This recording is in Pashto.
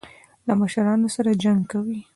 له مشرانو سره جنګ کوي.